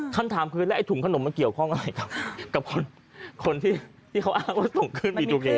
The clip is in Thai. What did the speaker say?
คำถามคือแล้วไอ้ถุงขนมมันเกี่ยวข้องอะไรกับคนที่เขาอ้างว่าส่งขึ้นบีตูเก